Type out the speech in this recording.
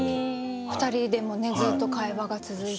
２人でもねずっと会話が続いて。